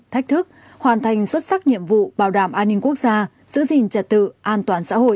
thách thức hoàn thành xuất sắc nhiệm vụ bảo đảm an ninh quốc gia giữ gìn trật tự an toàn xã hội